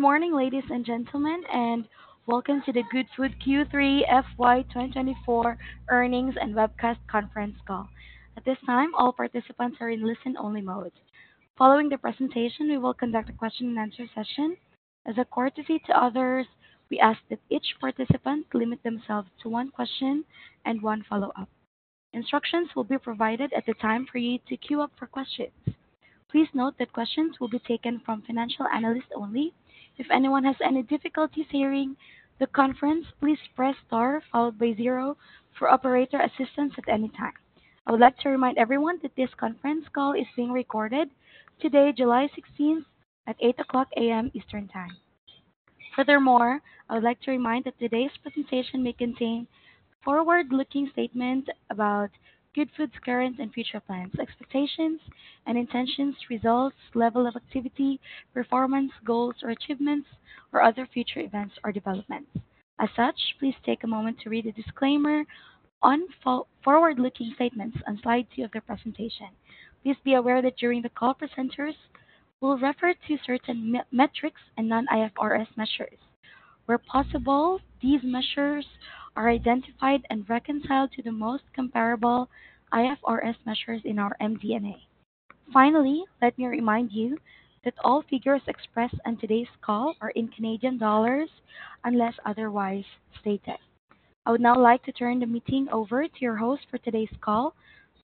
Good morning, ladies and gentlemen, and welcome to the Goodfood Q3 FY 2024 earnings and webcast conference call. At this time, all participants are in listen-only mode. Following the presentation, we will conduct a question-and-answer session. As a courtesy to others, we ask that each participant limit themselves to one question and one follow-up. Instructions will be provided at the time for you to queue up for questions. Please note that questions will be taken from financial analysts only. If anyone has any difficulties hearing the conference, please press star followed by zero for operator assistance at any time. I would like to remind everyone that this conference call is being recorded today, July 16th, at 8:00 A.M. Eastern Time. Furthermore, I would like to remind that today's presentation may contain forward-looking statements about Goodfood's current and future plans, expectations, and intentions, results, level of activity, performance, goals, or achievements, or other future events or developments. As such, please take a moment to read the disclaimer on forward-looking statements on slide two of the presentation. Please be aware that during the call, presenters will refer to certain metrics and non-IFRS measures. Where possible, these measures are identified and reconciled to the most comparable IFRS measures in our MD&A. Finally, let me remind you that all figures expressed on today's call are in Canadian dollars, unless otherwise stated. I would now like to turn the meeting over to your host for today's call,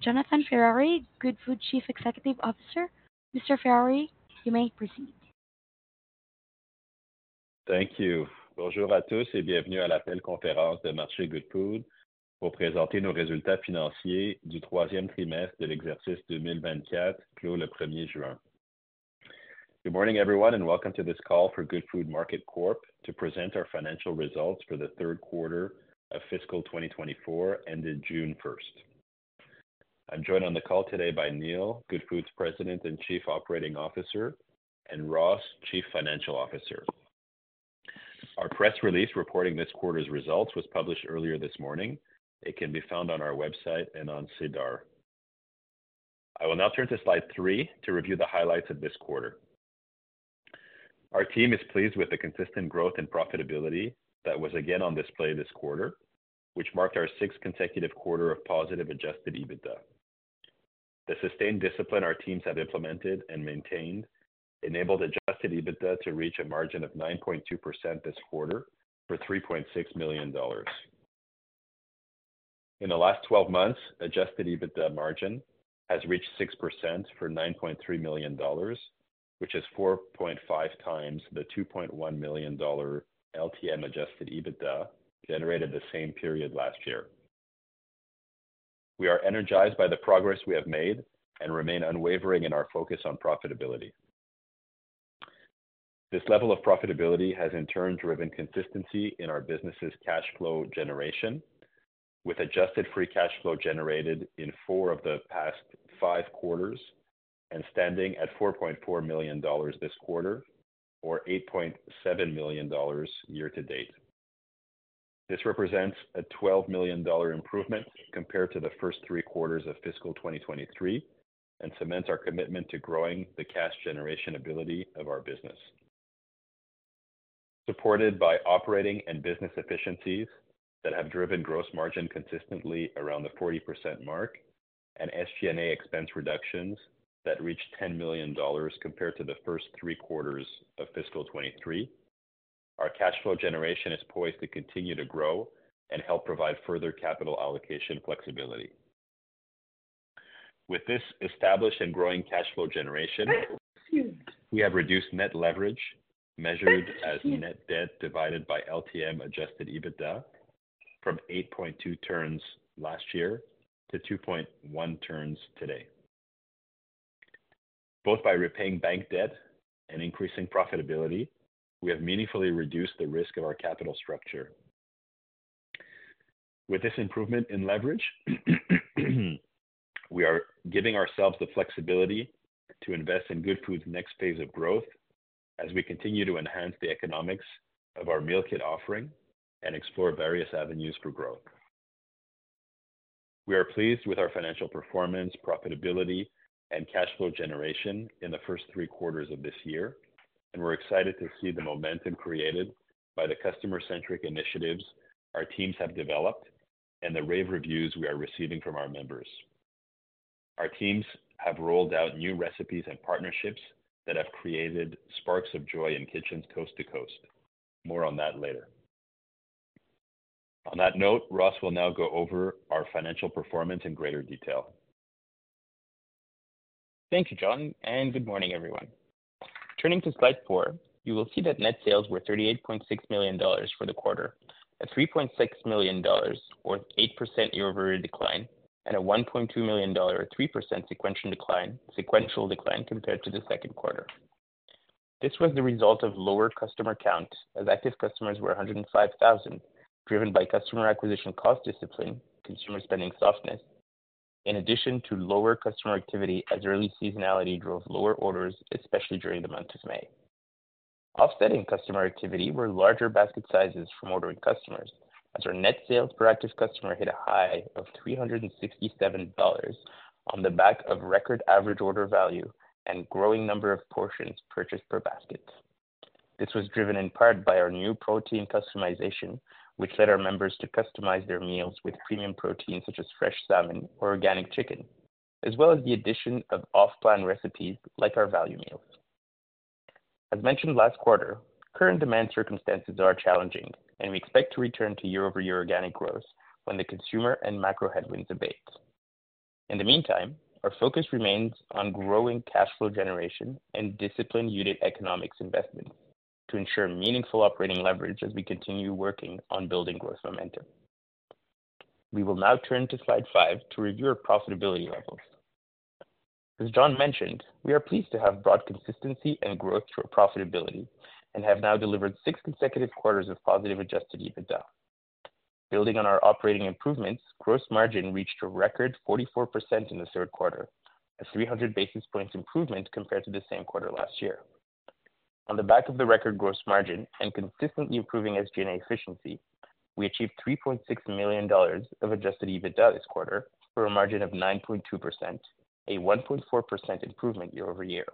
Jonathan Ferrari, Goodfood Chief Executive Officer. Mr. Ferrari, you may proceed. Thank you. Bonjour à tous et bienvenue à l'appel conférence de Marché Goodfood pour présenter nos résultats financiers du troisième trimestre de l'exercice 2024, clos le 1 juin. Good morning, everyone, and welcome to this call for Goodfood Market Corp. to present our financial results for the third quarter of fiscal 2024, ended June 1st. I'm joined on the call today by Neil, Goodfood's President and Chief Operating Officer; and Ross, Chief Financial Officer. Our press release reporting this quarter's results was published earlier this morning. It can be found on our website and on SEDAR. I will now turn to slide three to review the highlights of this quarter. Our team is pleased with the consistent growth and profitability that was again on display this quarter, which marked our sixth consecutive quarter of positive adjusted EBITDA. The sustained discipline our teams have implemented and maintained enabled adjusted EBITDA to reach a margin of 9.2% this quarter for 3.6 million dollars. In the last 12 months, adjusted EBITDA margin has reached 6% for 9.3 million dollars, which is 4.5 times the 2.1 million dollar LTM-adjusted EBITDA, generated the same period last year. We are energized by the progress we have made and remain unwavering in our focus on profitability. This level of profitability has in turn driven consistency in our business's cash flow generation, with adjusted free cash flow generated in four of the past five quarters and standing at 4.4 million dollars this quarter or 8.7 million dollars year to date. This represents a 12 million dollar improvement compared to the first three quarters of fiscal 2023 and cements our commitment to growing the cash generation ability of our business. Supported by operating and business efficiencies that have driven gross margin consistently around the 40% mark and SG&A expense reductions that reached 10 million dollars compared to the first three quarters of fiscal 2023, our cash flow generation is poised to continue to grow and help provide further capital allocation flexibility. With this established and growing cash flow generation, we have reduced net leverage, measured as net debt divided by LTM-adjusted EBITDA from 8.2 turns last year to 2.1 turns today. Both by repaying bank debt and increasing profitability, we have meaningfully reduced the risk of our capital structure. With this improvement in leverage, we are giving ourselves the flexibility to invest in Goodfood's next phase of growth as we continue to enhance the economics of our meal kit offering and explore various avenues for growth. We are pleased with our financial performance, profitability, and cash flow generation in the first three quarters of this year, and we're excited to see the momentum created by the customer-centric initiatives our teams have developed and the rave reviews we are receiving from our members. Our teams have rolled out new recipes and partnerships that have created sparks of joy in kitchens coast to coast. More on that later. On that note, Ross will now go over our financial performance in greater detail. Thank you, Jon, and good morning, everyone. Turning to slide four, you will see that net sales were 38.6 million dollars for the quarter, a 3.6 million dollars, or 8% year-over-year decline, and a 1.2 million dollar, or 3% sequential decline compared to the second quarter. This was the result of lower customer count, as active customers were 105,000, driven by customer acquisition cost discipline, consumer spending softness, in addition to lower customer activity as early seasonality drove lower orders, especially during the month of May. Offsetting customer activity were larger basket sizes from ordering customers as our net sales per active customer hit a high of 367 dollars on the back of record average order value and growing number of portions purchased per basket. This was driven in part by our new protein customization, which led our members to customize their meals with premium proteins such as fresh salmon or organic chicken, as well as the addition of off-plan recipes like our value meals. As mentioned last quarter, current demand circumstances are challenging, and we expect to return to year-over-year organic growth when the consumer and macro headwinds abate. In the meantime, our focus remains on growing cash flow generation and disciplined unit economics investment to ensure meaningful operating leverage as we continue working on building growth momentum. We will now turn to slide five to review our profitability levels. As Jon mentioned, we are pleased to have broad consistency and growth through our profitability and have now delivered six consecutive quarters of positive adjusted EBITDA. Building on our operating improvements, gross margin reached a record 44% in the third quarter, a 300-basis points improvement compared to the same quarter last year. On the back of the record gross margin and consistently improving SG&A efficiency, we achieved 3.6 million dollars of adjusted EBITDA this quarter for a margin of 9.2%, a 1.4% improvement year-over-year.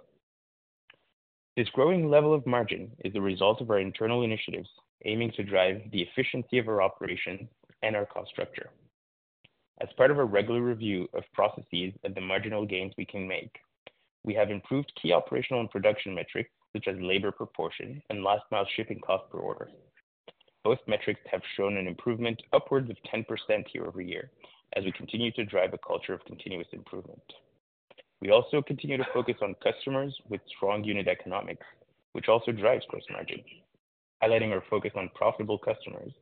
This growing level of margin is the result of our internal initiatives, aiming to drive the efficiency of our operation and our cost structure. As part of a regular review of processes and the marginal gains we can make, we have improved key operational and production metrics such as labor proportion and last-mile shipping cost per order. Both metrics have shown an improvement upwards of 10% year-over-year as we continue to drive a culture of continuous improvement. We also continue to focus on customers with strong unit economics, which also drives gross margin. Highlighting our focus on profitable customers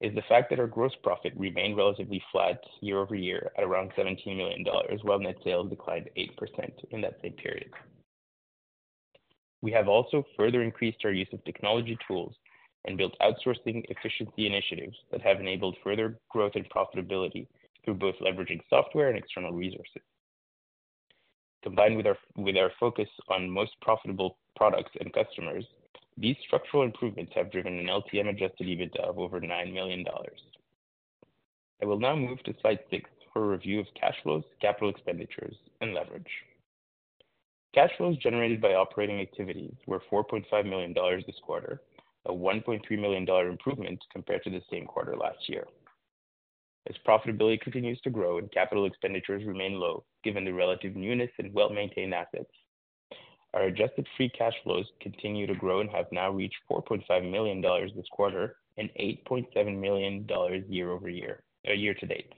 is the fact that our gross profit remained relatively flat year-over-year at around 17 million dollars, while net sales declined 8% in that same period. We have also further increased our use of technology tools and built outsourcing efficiency initiatives that have enabled further growth and profitability through both leveraging software and external resources. Combined with our focus on most profitable products and customers, these structural improvements have driven an LTM-adjusted EBITDA of over 9 million dollars. I will now move to slide six for a review of cash flows, capital expenditures, and leverage. Cash flows generated by operating activities were 4.5 million dollars this quarter, a 1.3-million dollar improvement compared to the same quarter last year. As profitability continues to grow and capital expenditures remain low, given the relative newness and well-maintained assets, our adjusted free cash flows continue to grow and have now reached 4.5 million dollars this quarter and 8.7 million dollars year-over-year, year-to-date.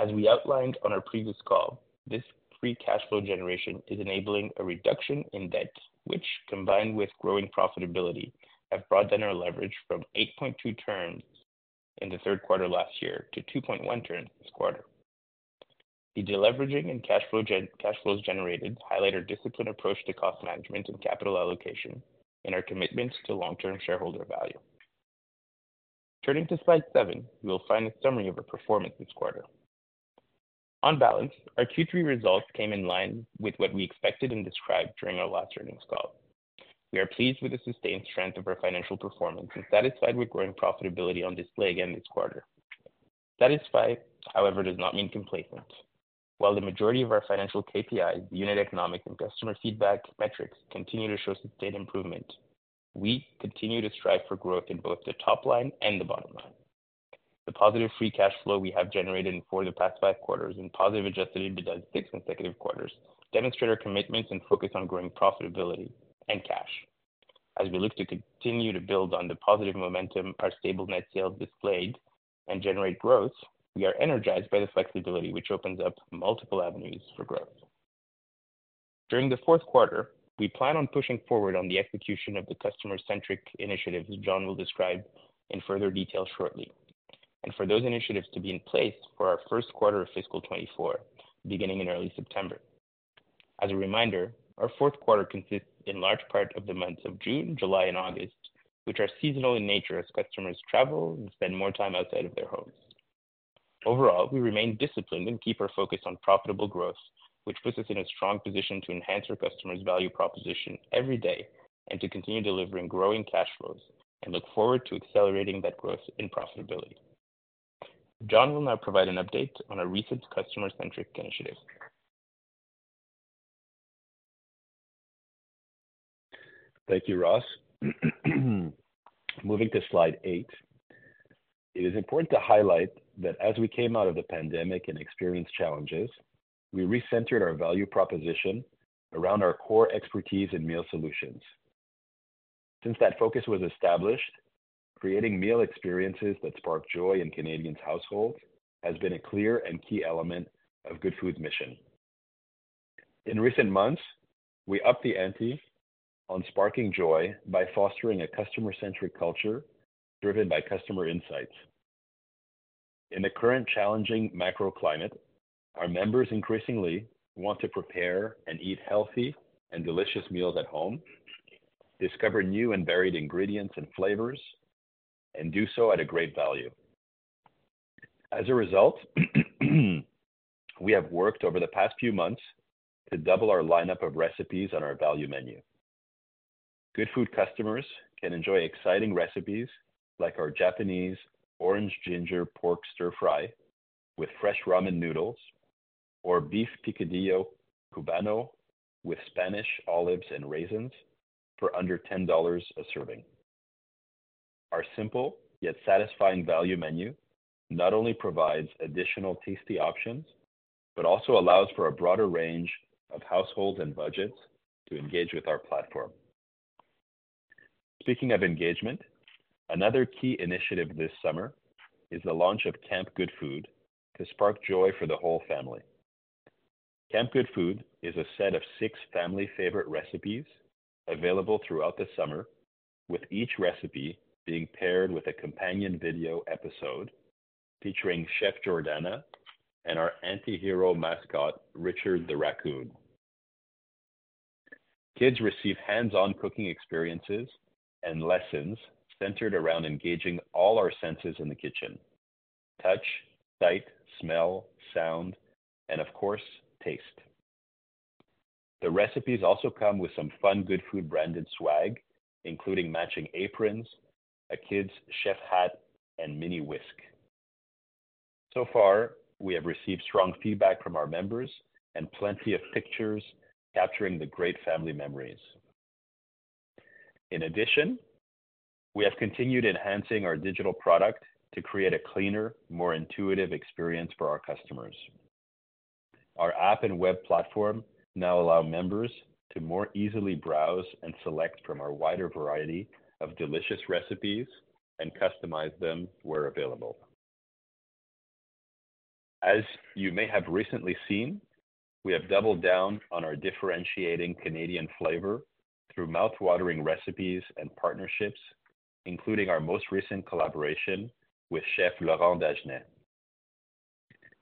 As we outlined on our previous call, this free cash flow generation is enabling a reduction in debt, which, combined with growing profitability, have broadened our leverage from 8.2 turns in the third quarter last year to 2.1 turns this quarter. The deleveraging and cash flows generated highlight our disciplined approach to cost management and capital allocation and our commitments to long-term shareholder value. Turning to slide seven, you will find a summary of our performance this quarter. On balance, our Q3 results came in line with what we expected and described during our last earnings call. We are pleased with the sustained strength of our financial performance and satisfied with growing profitability on display again this quarter. Satisfied, however, does not mean complacent. While the majority of our financial KPIs, unit economics, and customer feedback metrics continue to show sustained improvement, we continue to strive for growth in both the top line and the bottom line. The positive free cash flow we have generated for the past 5 quarters and positive Adjusted EBITDA six consecutive quarters demonstrate our commitments and focus on growing profitability and cash. As we look to continue to build on the positive momentum, our stable net sales displayed and generate growth, we are energized by the flexibility, which opens up multiple avenues for growth. During the fourth quarter, we plan on pushing forward on the execution of the customer-centric initiatives, as Jon will describe in further detail shortly, and for those initiatives to be in place for our first quarter of fiscal 2024, beginning in early September. As a reminder, our fourth quarter consists in large part of the months of June, July, and August, which are seasonal in nature as customers travel and spend more time outside of their homes. Overall, we remain disciplined and keep our focus on profitable growth, which puts us in a strong position to enhance our customer's value proposition every day and to continue delivering growing cash flows, and look forward to accelerating that growth and profitability. Jon will now provide an update on our recent customer-centric initiative. Thank you, Ross. Moving to slide eight, it is important to highlight that as we came out of the pandemic and experienced challenges, we recentered our value proposition around our core expertise in meal solutions. Since that focus was established, creating meal experiences that spark joy in Canadians' households, has been a clear and key element of Goodfood's mission. In recent months, we upped the ante on sparking joy by fostering a customer-centric culture driven by customer insights. In the current challenging macro climate, our members increasingly want to prepare and eat healthy and delicious meals at home, discover new and varied ingredients and flavors, and do so at a great value. As a result, we have worked over the past few months to double our lineup of recipes on our value menu. Goodfood customers can enjoy exciting recipes like our Japanese Orange Ginger Pork Stir-fry with fresh ramen noodles, or Beef Picadillo Cubano with Spanish olives and raisins for under 10 dollars a serving. Our simple, yet satisfying value menu, not only provides additional tasty options, but also allows for a broader range of households and budgets to engage with our platform. Speaking of engagement, another key initiative this summer is the launch of Camp Goodfood, to spark joy for the whole family. Camp Goodfood is a set of six family-favorite recipes available throughout the summer, with each recipe being paired with a companion video episode featuring Chef Jordana and our anti-hero mascot, Richard the Raccoon. Kids receive hands-on cooking experiences and lessons centered around engaging all our senses in the kitchen: touch, sight, smell, sound, and, of course, taste. The recipes also come with some fun Goodfood-branded swag, including matching aprons, a kid's chef hat, and mini whisk. So far, we have received strong feedback from our members and plenty of pictures capturing the great family memories. In addition, we have continued enhancing our digital product to create a cleaner, more intuitive experience for our customers. Our app and web platform now allow members to more easily browse and select from our wider variety of delicious recipes and customize them where available. As you may have recently seen, we have doubled down on our differentiating Canadian flavor through mouthwatering recipes and partnerships, including our most recent collaboration with Chef Laurent Dagenais.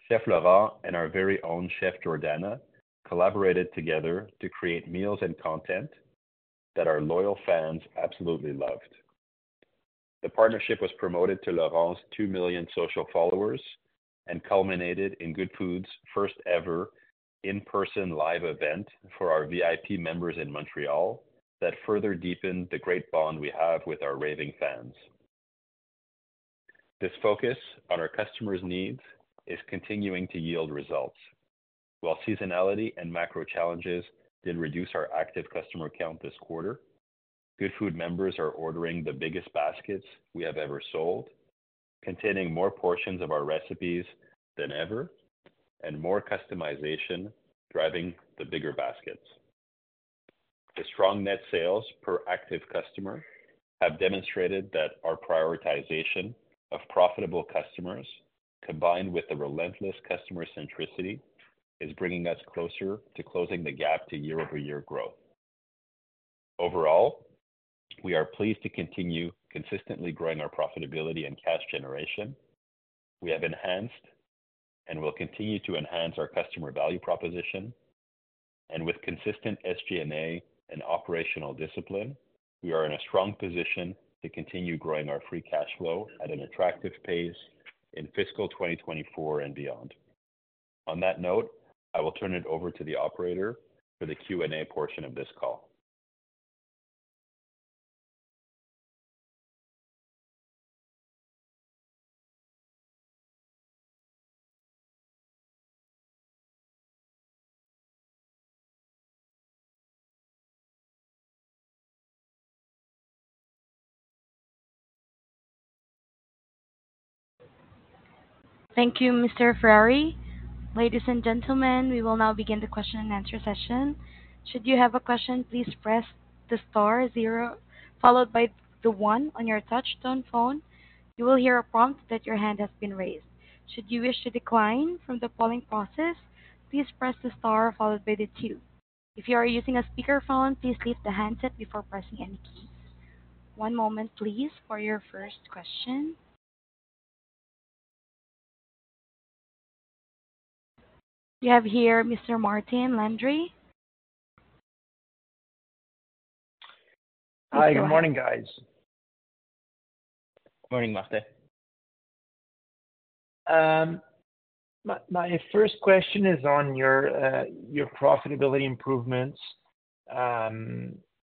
Chef Laurent and our very own Chef Jordana collaborated together to create meals and content that our loyal fans absolutely loved. The partnership was promoted to Laurent's 2 million social followers and culminated in Goodfood's first-ever in-person live event for our VIP members in Montreal that further deepened the great bond we have with our raving fans. This focus on our customers' needs is continuing to yield results. While seasonality and macro challenges did reduce our active customer count this quarter, Goodfood members are ordering the biggest baskets we have ever sold, containing more portions of our recipes than ever and more customization, driving the bigger baskets. The strong net sales per active customer have demonstrated that our prioritization of profitable customers, combined with the relentless customer centricity, is bringing us closer to closing the gap to year-over-year growth. Overall, we are pleased to continue consistently growing our profitability and cash generation. We have enhanced and will continue to enhance our customer value proposition, and with consistent SG&A and operational discipline, we are in a strong position to continue growing our free cash flow at an attractive pace in fiscal 2024 and beyond. On that note, I will turn it over to the operator for the Q&A portion of this call. Thank you, Mr. Ferrari. Ladies and gentlemen, we will now begin the question and answer session. Should you have a question, please press the star zero, followed by the one on your touch-tone phone. You will hear a prompt that your hand has been raised. Should you wish to decline from the polling process, please press the star followed by the two. If you are using a speakerphone, please leave the handset before pressing any keys. One moment, please, for your first question. We have here Mr. Martin Landry. Hi, good morning, guys. Morning, Martin. My first question is on your profitability improvements.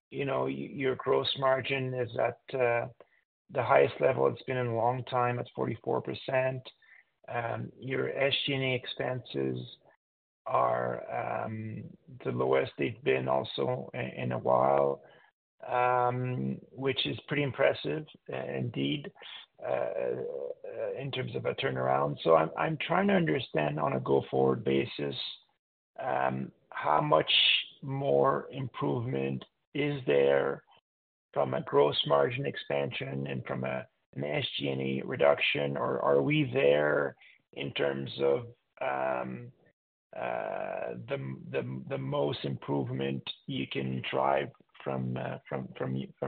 You know, your gross margin is at the highest level it's been in a long time, at 44%. Your SG&A expenses are the lowest they've been also in a while, which is pretty impressive, indeed, in terms of a turnaround. So I'm trying to understand on a go-forward basis, how much more improvement is there from a gross margin expansion and from a SG&A reduction, or are we there in terms of the most improvement you can drive from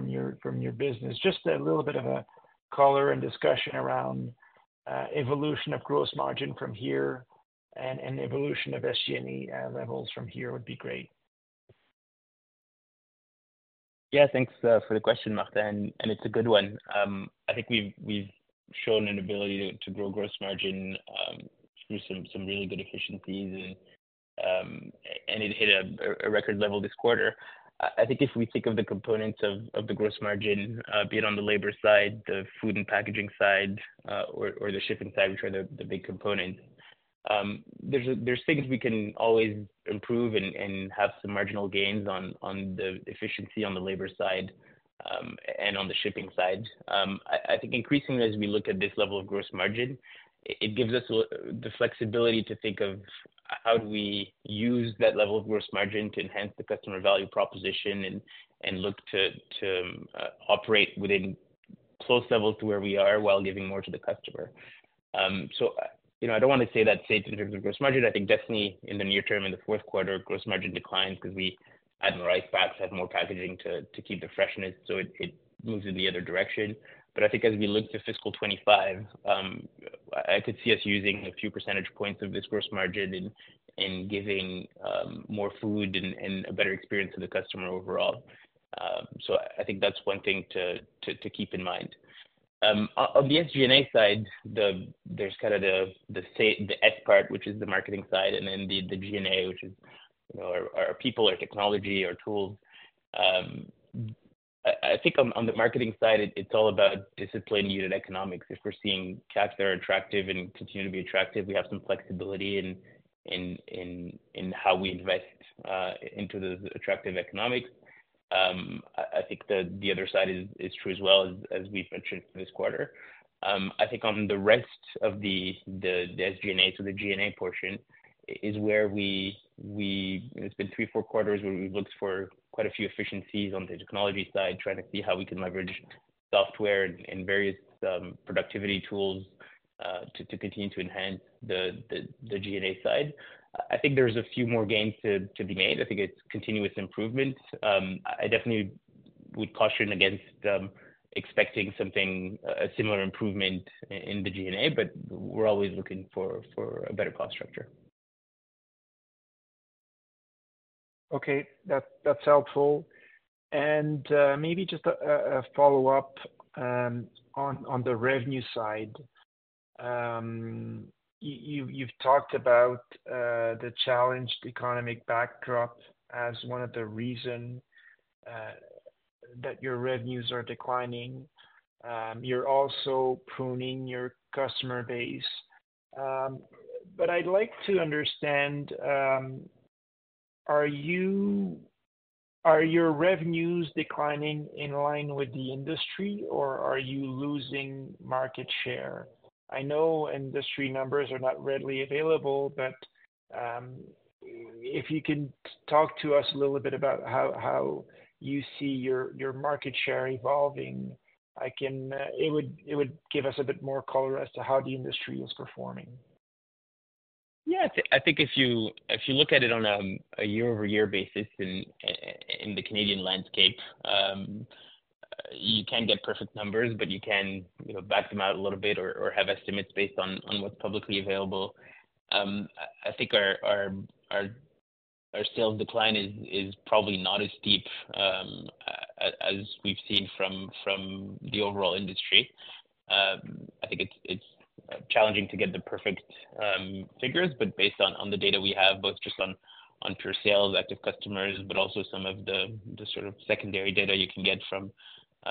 your business? Just a little bit of a color and discussion around evolution of gross margin from here and evolution of SG&A levels from here would be great. Yeah, thanks for the question, Martin, and it's a good one. I think we've shown an ability to grow gross margin through some really good efficiencies and it hit a record level this quarter. I think if we think of the components of the gross margin, be it on the labor side, the food and packaging side, or the shipping side, which are the big components, there's things we can always improve and have some marginal gains on the efficiency on the labor side, and on the shipping side. I think increasingly, as we look at this level of gross margin, it gives us the flexibility to think of how do we use that level of gross margin to enhance the customer value proposition, and look to operate within close levels to where we are while giving more to the customer. So, you know, I don't wanna say that in terms of gross margin. I think definitely in the near term, in the fourth quarter, gross margin declines because we add more ice packs, add more packaging to keep the freshness, so it moves in the other direction. But I think as we look to fiscal 2025, I could see us using a few percentage points of this gross margin in giving more food and a better experience to the customer overall. So I think that's one thing to keep in mind. On the SG&A side, there's kind of the S part, which is the marketing side, and then the G&A, which is, you know, our people, our technology, our tools. I think on the marketing side, it's all about disciplined unit economics. If we're seeing caps that are attractive and continue to be attractive, we have some flexibility in how we invest into the attractive economics. I think the other side is true as well as we've mentioned this quarter. I think on the rest of the SG&A, so the G&A portion is where we... It's been three, four quarters, where we've looked for quite a few efficiencies on the technology side, trying to see how we can leverage software and various, productivity tools, to continue to enhance the G&A side. I think there's a few more gains to be made. I think it's continuous improvements. I definitely would caution against expecting something, a similar improvement in the G&A, but we're always looking for a better cost structure. Okay, that's helpful. And maybe just a follow-up on the revenue side. You've talked about the challenged economic backdrop as one of the reason that your revenues are declining. You're also pruning your customer base. But I'd like to understand, are you-- Are your revenues declining in line with the industry, or are you losing market share? I know industry numbers are not readily available, but if you can talk to us a little bit about how you see your market share evolving, it would give us a bit more color as to how the industry is performing. Yeah. I think if you, if you look at it on a year-over-year basis in the Canadian landscape, you can't get perfect numbers, but you can, you know, back them out a little bit or have estimates based on what's publicly available. I think our sales decline is probably not as steep as we've seen from the overall industry. I think it's challenging to get the perfect figures, but based on the data we have, both just on pure sales, active customers, but also some of the sort of secondary data you can get from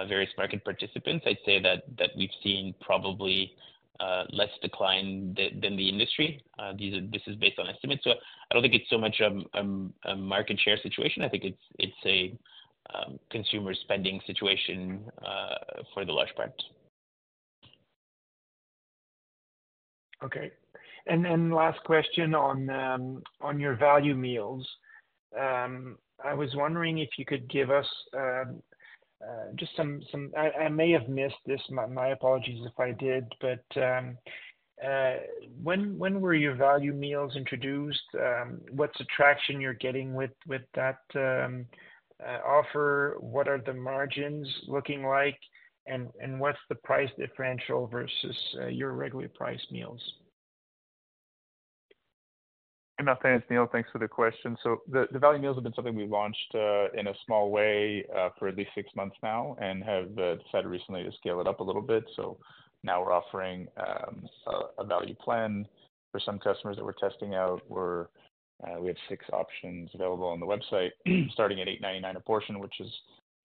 various market participants, I'd say that we've seen probably less decline than the industry. This is based on estimates, so I don't think it's so much a market share situation. I think it's a consumer spending situation for the large part. Okay. And then last question on your value meals. I was wondering if you could give us just some... I may have missed this. My apologies if I did, but when were your value meals introduced? What's the traction you're getting with that offer? What are the margins looking like, and what's the price differential versus your regularly priced meals? Hey, Martin, it's Neil. Thanks for the question. So the value meals have been something we launched in a small way for at least six months now and have decided recently to scale it up a little bit. So now we're offering a value plan for some customers that we're testing out, where we have six options available on the website, starting at 8.99 a portion, which is,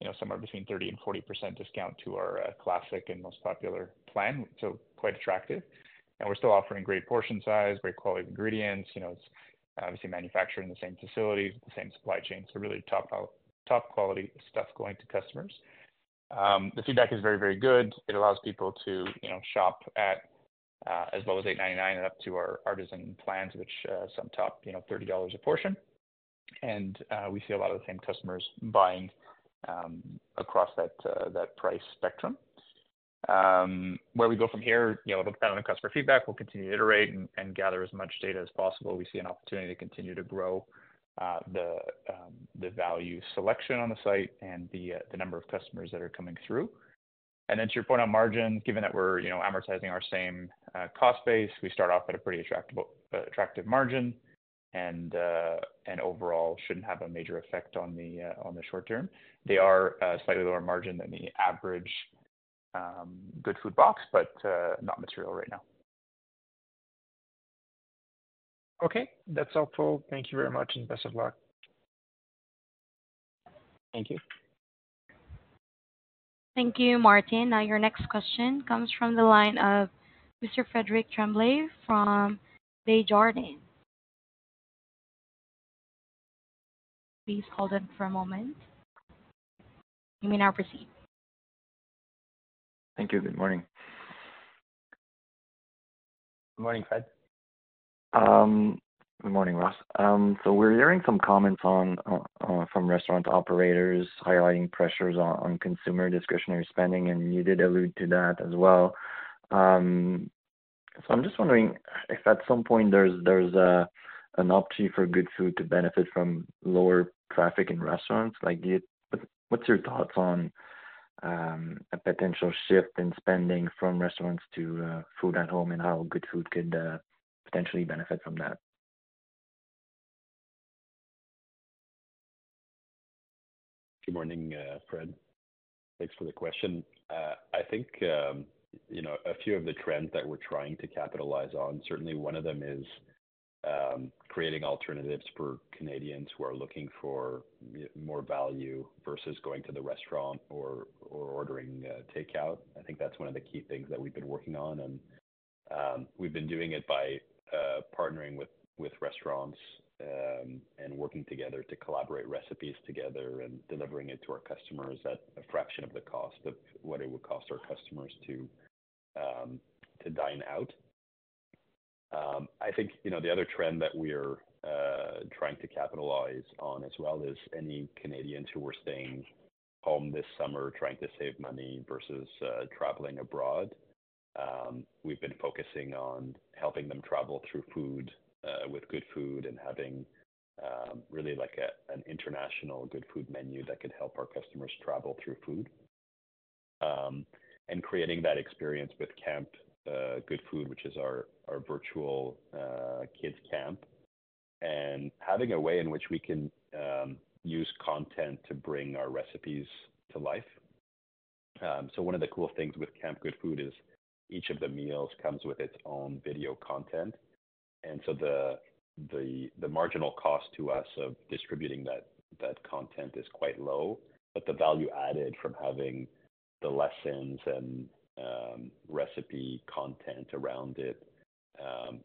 you know, somewhere between 30%-40% discount to our classic and most popular plan. So quite attractive. And we're still offering great portion size, great quality ingredients. You know, it's obviously manufactured in the same facilities, the same supply chain, so really top quality stuff going to customers. The feedback is very, very good. It allows people to, you know, shop at, as low as 8.99 and up to our artisan plans, which some top, you know, 30 dollars a portion. We see a lot of the same customers buying across that price spectrum. Where we go from here, you know, it'll depend on the customer feedback. We'll continue to iterate and gather as much data as possible. We see an opportunity to continue to grow the value selection on the site and the number of customers that are coming through.... And then to your point on margin, given that we're, you know, advertising our same cost base, we start off at a pretty attractable, attractive margin, and overall shouldn't have a major effect on the short term. They are slightly lower margin than the average Goodfood box, but not material right now. Okay, that's helpful. Thank you very much, and best of luck. Thank you. Thank you, Martin. Now, your next question comes from the line of Mr. Frédéric Tremblay from Desjardins. Please hold on for a moment. You may now proceed. Thank you. Good morning. Good morning, Fréd. Good morning, Ross. So we're hearing some comments on from restaurant operators highlighting pressures on consumer discretionary spending, and you did allude to that as well. So I'm just wondering if at some point there's an opportunity for Goodfood to benefit from lower traffic in restaurants. Like, what's your thoughts on a potential shift in spending from restaurants to food at home, and how Goodfood could potentially benefit from that? Good morning, Fréd. Thanks for the question. I think, you know, a few of the trends that we're trying to capitalize on, certainly one of them is creating alternatives for Canadians who are looking for more value versus going to the restaurant or ordering takeout. I think that's one of the key things that we've been working on, and we've been doing it by partnering with restaurants and working together to collaborate recipes together and delivering it to our customers at a fraction of the cost of what it would cost our customers to dine out. I think, you know, the other trend that we're trying to capitalize on as well is any Canadians who are staying home this summer, trying to save money versus traveling abroad. We've been focusing on helping them travel through food with Goodfood and having really like a an international Goodfood menu that could help our customers travel through food. And creating that experience with Camp Goodfood, which is our virtual kids camp, and having a way in which we can use content to bring our recipes to life. So one of the cool things with Camp Goodfood is, each of the meals comes with its own video content, and so the marginal cost to us of distributing that content is quite low. But the value added from having the lessons and recipe content around it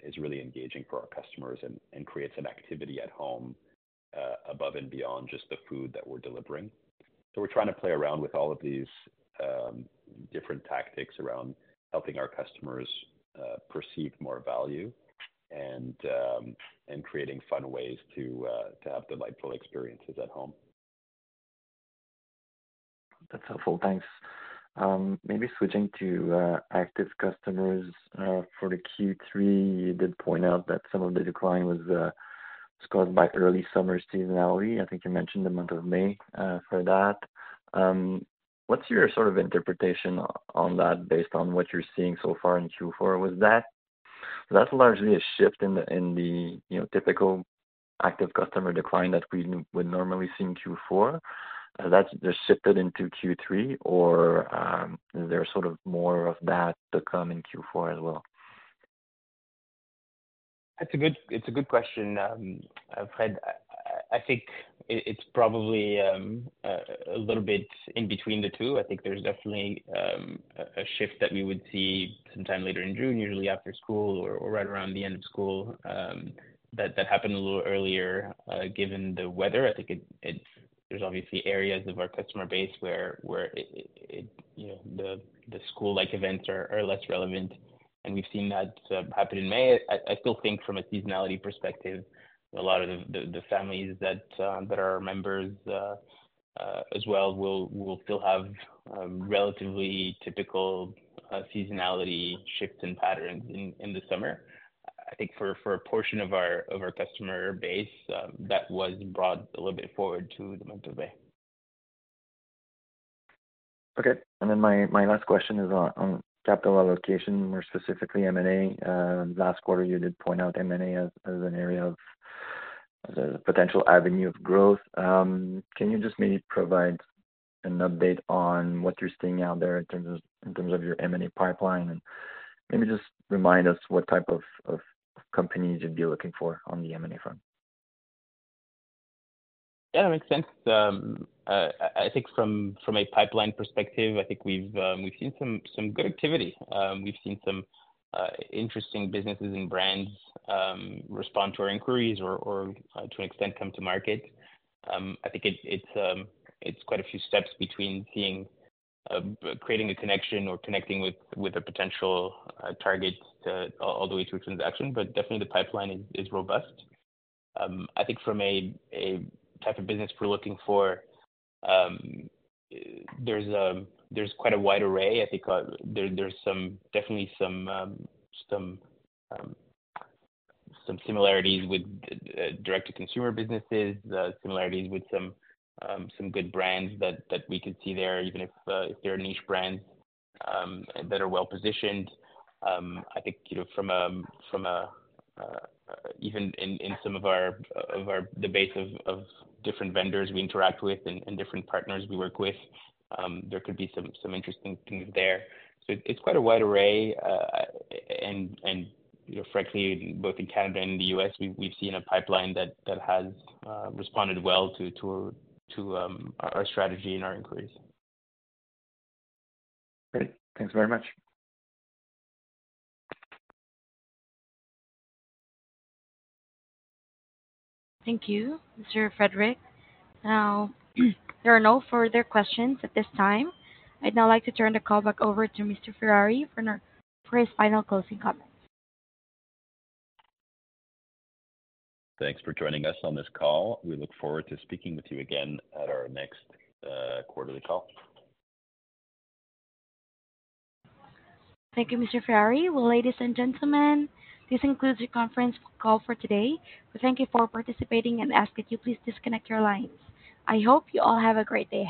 is really engaging for our customers and creates an activity at home above and beyond just the food that we're delivering. So we're trying to play around with all of these different tactics around helping our customers perceive more value and creating fun ways to have delightful experiences at home. That's helpful. Thanks. Maybe switching to active customers for the Q3. You did point out that some of the decline was caused by early summer seasonality. I think you mentioned the month of May for that. What's your sort of interpretation on that, based on what you're seeing so far in Q4? Was that... That's largely a shift in the, in the, you know, typical active customer decline that we would normally see in Q4, that's just shifted into Q3, or is there sort of more of that to come in Q4 as well? That's a good, it's a good question, Fréd. I think it's probably a little bit in between the two. I think there's definitely a shift that we would see sometime later in June, usually after school or right around the end of school, that happened a little earlier, given the weather. I think it. There's obviously areas of our customer base where you know, the school-like events are less relevant, and we've seen that happen in May. I still think from a seasonality perspective, a lot of the families that are our members, as well, will still have relatively typical seasonality shifts and patterns in the summer. I think for a portion of our customer base, that was brought a little bit forward to the month of May. Okay. And then my last question is on capital allocation, more specifically M&A. Last quarter you did point out M&A as an area of a potential avenue of growth. Can you just maybe provide an update on what you're seeing out there in terms of your M&A pipeline? And maybe just remind us what type of companies you'd be looking for on the M&A front. Yeah, that makes sense. I think from a pipeline perspective, I think we've seen some good activity. We've seen some interesting businesses and brands respond to our inquiries or to an extent, come to market. I think it's quite a few steps between seeing creating a connection or connecting with a potential target all the way to a transaction, but definitely the pipeline is robust. I think from a type of business we're looking for, there's quite a wide array. I think there's some-- definitely some similarities with direct-to-consumer businesses, similarities with some good brands that we could see there, even if they're a niche brand that are well-positioned. I think, you know, from a even in some of our base of different vendors we interact with and different partners we work with, there could be some interesting things there. So it's quite a wide array, and, you know, frankly, both in Canada and the U.S., we've seen a pipeline that has responded well to our strategy and our inquiries. Great. Thanks very much. Thank you, Mr. Frédéric. Now, there are no further questions at this time. I'd now like to turn the call back over to Mr. Ferrari for our, for his final closing comments. Thanks for joining us on this call. We look forward to speaking with you again at our next quarterly call. Thank you, Mr. Ferrari. Well, ladies and gentlemen, this concludes the conference call for today. We thank you for participating and ask that you please disconnect your lines. I hope you all have a great day.